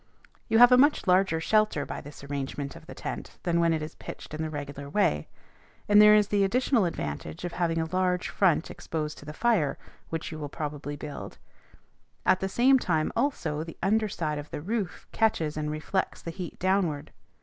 You have a much larger shelter by this arrangement of the tent than when it is pitched in the regular way, and there is the additional advantage of having a large front exposed to the fire which you will probably build; at the same time also the under side of the roof catches and reflects the heat downward.